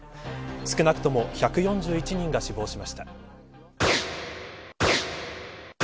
少なくとも１４１人が死亡しました。